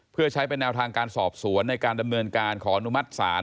เพื่อใช้เป็นแนวทางการสอบสวนในการดำเนินการขออนุมัติศาล